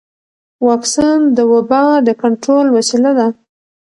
واکسن د وبا د کنټرول وسیله ده.